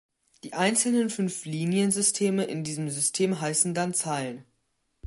Die einzelnen Fünflinien-Systeme in diesem System heißen dann Zeilen.